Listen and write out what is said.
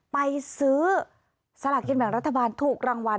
ไปซื้อสลากกินแบ่งรัฐบาลถูกรางวัล